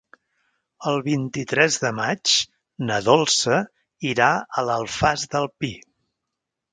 El vint-i-tres de maig na Dolça irà a l'Alfàs del Pi.